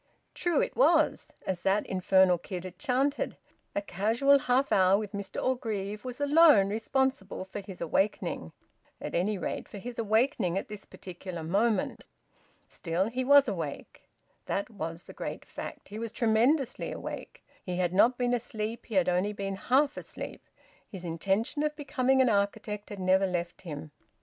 True it was as that infernal kid had chanted a casual half hour with Mr Orgreave was alone responsible for his awakening at any rate, for his awakening at this particular moment. Still, he was awake that was the great fact. He was tremendously awake. He had not been asleep; he had only been half asleep. His intention of becoming an architect had never left him.